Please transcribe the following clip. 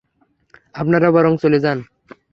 আপনারা বরং চলে যান।